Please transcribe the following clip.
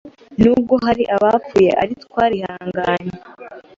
Nubwo hari abapfuye ari twarihanganye